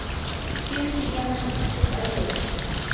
chiwchi llama mitsikuq ayway.